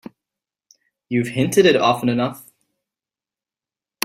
You've hinted it often enough.